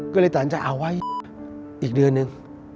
ก็เลยตันจะเอาไว้อีกเดือนหนึ่ง